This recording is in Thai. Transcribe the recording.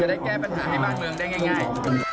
ได้แก้ปัญหาให้บ้านเมืองได้ง่าย